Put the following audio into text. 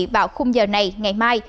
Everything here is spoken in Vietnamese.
vào khung giờ này ngày mai